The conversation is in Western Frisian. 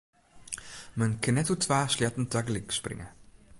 Men kin net oer twa sleatten tagelyk springe.